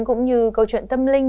cũng như câu chuyện tâm linh